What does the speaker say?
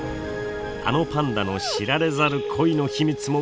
あのパンダの知られざる恋の秘密もご紹介！